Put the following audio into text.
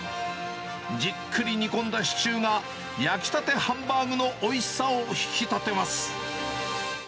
じっくり煮込んだシチューが焼きたてハンバーグのおいしさを引きたてます。